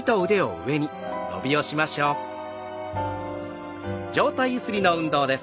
上体ゆすりの運動です。